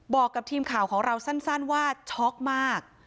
บอกกับทีมข่าวของเราสั้นว่าช็อกมาก